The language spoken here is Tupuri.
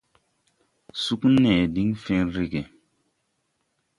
Sug nee diŋ fen rege.